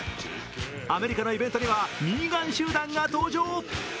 アメリカのイベントにはミーガン集団が登場。